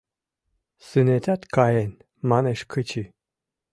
Сынетат каен, — манеш Кычи.